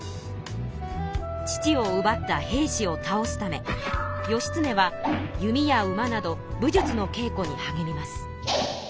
父をうばった平氏を倒すため義経は弓や馬など武術の稽古に励みます。